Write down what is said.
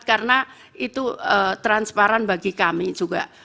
karena itu transparan bagi kami juga